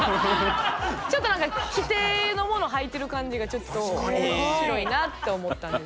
ちょっと何か規定のものはいてる感じが面白いなと思ったんです。